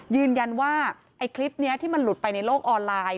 ยืนยันว่าไอ้คลิปนี้ที่มันหลุดไปในโลกออนไลน์